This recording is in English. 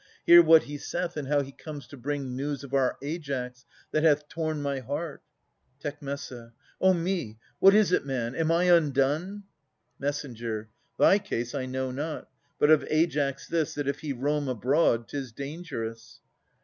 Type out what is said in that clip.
Hear what he saith, and how he comes to bring News of our Aias that hath torn my heart. Tec. Oh me ! what is it, man ? Am I undone ? Mess. Thy case I know not ; but of Aias this, That if he roam abroad, 'tis dangerous.